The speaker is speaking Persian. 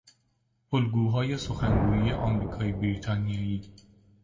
الگوهای سخن گویی امریکایی - بریتانیایی